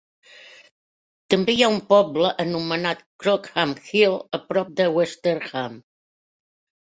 També hi ha un poble anomenat Crockham Hill a prop de Westerham.